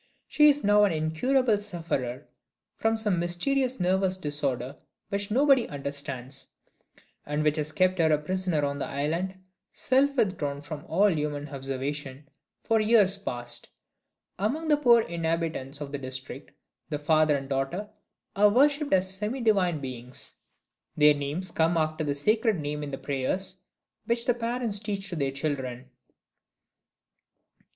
She is now an incurable sufferer from some mysterious nervous disorder which nobody understands, and which has kept her a prisoner on the island, self withdrawn from all human observation, for years past. Among the poor inhabitants of the district, the father and daughter are worshiped as semi divine beings. Their names come after the Sacred Name in the prayers which the parents teach to their children.